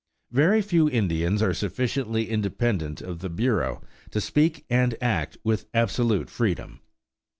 Very few Indians are sufficiently independent of the Bureau to speak and act with absolute freedom.